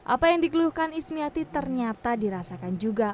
apa yang dikeluhkan ismiati ternyata dirasakan juga